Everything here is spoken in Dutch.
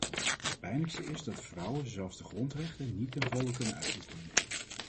Het pijnlijkste is dat vrouwen zelfs de grondrechten niet ten volle kunnen uitoefenen.